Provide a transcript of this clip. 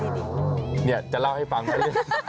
เนี่ยจะเล่าให้ฟังไหม